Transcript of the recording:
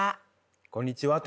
「こんにちは」って。